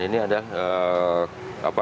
ini untuk apa